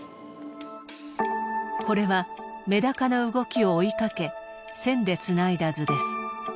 これはメダカの動きを追いかけ線でつないだ図です。